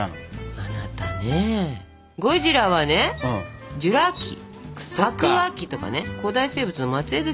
あなたねゴジラはねジュラ紀白亜紀とかね古代生物の末えいです